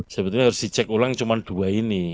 sebetulnya harus dicek ulang cuma dua ini